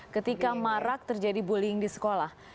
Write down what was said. ketika marak terjadi bullying di sekolah